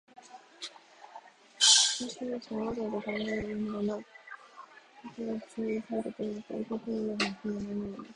大鳥氏はさまざまに考えまどいながら、黄金塔の前にすわりつづけていました。一刻も目をはなす気になれないのです。